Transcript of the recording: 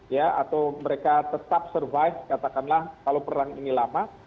ya atau mereka tetap survive katakanlah kalau perang ini lama